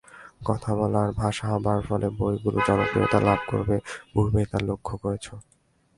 কথা-বলার ভাষা হবার ফলে বইগুলি জনপ্রিয়তা লাভ করবে, পূর্বেই তা লক্ষ্য করেছ।